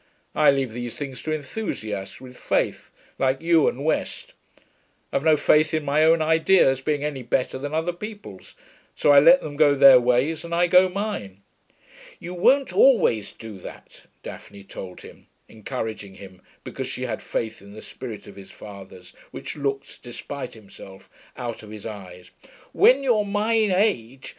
I leave these things to enthusiasts, with faith, like you and West. I've no faith in my own ideas being any better than other people's, so I let them go their ways and I go mine.' 'You won't always do that,' Daphne told him, encouraging him, because she had faith in the spirit of his fathers, which looked despite himself out of his eyes. 'When you're my age....'